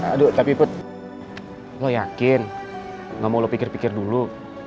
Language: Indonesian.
aduh tapi put lo yakin gak mau lo pikir pikir dulu